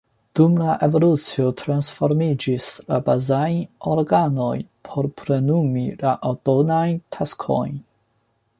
Dum la evolucio transformiĝis la bazaj organoj por plenumi la aldonajn taskojn.